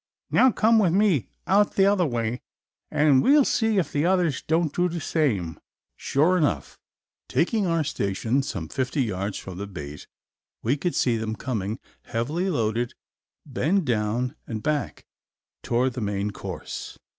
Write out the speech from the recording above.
Now come with me out the other way and we will see if the others don't do the same." Sure enough! Taking our station some fifty yards from the bait we could see them coming heavily loaded, bend down and back toward the main course.